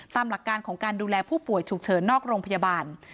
ตามหลักการของการดูแลผู้ป่วยฉุกเฉินนอกโรงพยาบาล